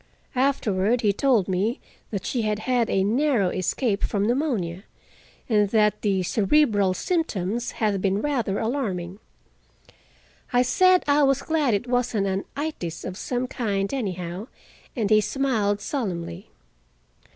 Afterward he told me that she had had a narrow escape from pneumonia, and that the cerebral symptoms had been rather alarming. I said I was glad it wasn't an "itis" of some kind, anyhow, and he smiled solemnly.